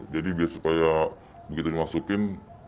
jadi biar supaya begitu dimasukin